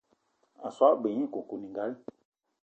A so gne g-beu nye koukouningali.